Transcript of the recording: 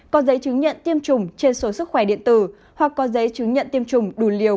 có giấy chứng nhận tiêm chủng trên số sức khỏe điện tử hoặc có giấy chứng nhận tiêm chủng đủ liều